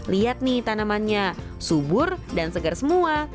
lihat nih tanamannya subur dan segar semua